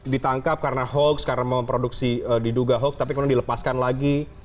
ditangkap karena hoax karena memproduksi diduga hoax tapi kemudian dilepaskan lagi